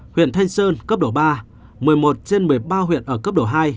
huyện thanh sơn cấp độ ba một mươi một trên một mươi ba huyện ở cấp độ hai